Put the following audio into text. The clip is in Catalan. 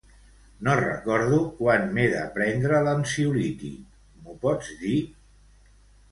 No recordo quan m'he de prendre l'ansiolític, m'ho pots dir?